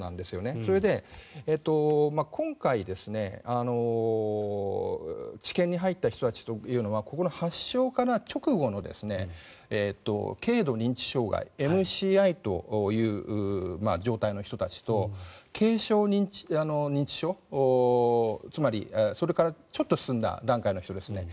それで今回治験に入った人たちというのは発症直後の軽度認知障害ＮＣＩという状態の人たちと軽症認知症つまりそれからちょっと進んだ段階の人ですね。